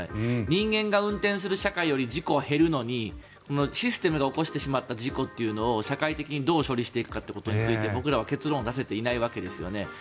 人間が運転する社会より事故は減るのにシステムが起こしてしまった事故というのを社会的にどう処理していくかについて僕らは結論を出せていないわけですよね。